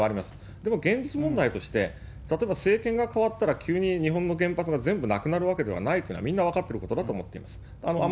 でも現実問題として、例えば政界が変わったら急に日本の原発が全部なくなるわけではないというのは、みんな分かってることだと思います。